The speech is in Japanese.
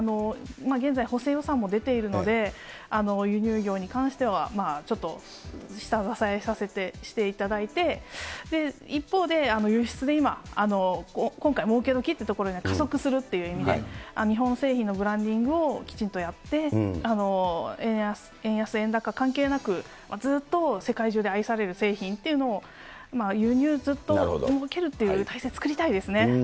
現在、補正予算も出ているので、輸入業に関しては、ちょっと下支えさせて、していただいて、一方で、輸出で今、今回、もうけどきっていうところには、加速するっていう意味で、日本製品のブランディングをきちんとやって、円安円高関係なく、ずっと世界中で愛される製品っていうのを、輸入、ずっともうけるっていう態勢、作りたいですね。